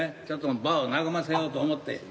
ちょっと場を和ませようと思って。